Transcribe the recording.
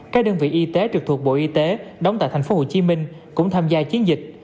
các đơn vị y tế trực thuộc bộ y tế đóng tại tp hcm cũng tham gia chiến dịch